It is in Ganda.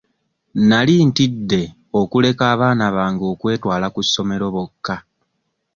Nali ntidde okuleka abaana bange okwetwala ku ssomero bokka.